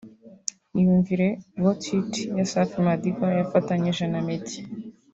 Iyumvire Got it ya Safi Madiba yafatanije na Meddy